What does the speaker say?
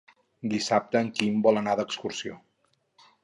Dissabte en Quim vol anar d'excursió.